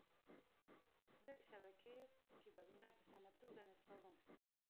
زه د شبکې کیبلونه په سمه توګه نصبووم.